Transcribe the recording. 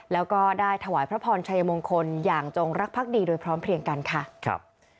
แล้วก็ได้ถวายพระพรชัยมงคลอย่างจงรักภักดีโดยพร้อมเพลียงกันค่ะครับ